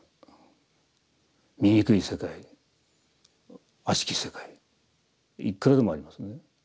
醜い世界あしき世界いくらでもありますね。